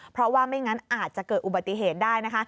เพราะว่าไม่งั้นอาจจะเกิดอุบัติเหตุได้นะคะ